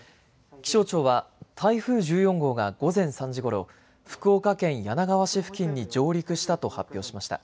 気象庁は台風１４号が午前３時ごろ福岡県柳川市付近に上陸したと発表しました。